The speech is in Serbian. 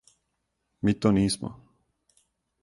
Ми то нисмо.